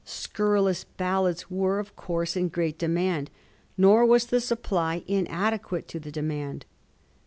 Scurrilous ballads were of course in great demand, nor was the supply in adequate to the demand.